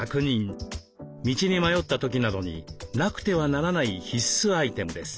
道に迷った時などになくてはならない必須アイテムです。